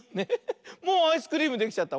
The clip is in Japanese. もうアイスクリームできちゃった。